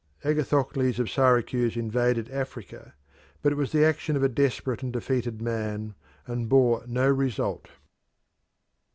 Agathocles of Syracuse invaded Africa, but it was the action of a desperate and defeated man and bore no result.